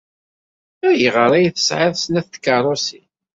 Ayɣer ay tesɛiḍ snat n tkeṛṛusin?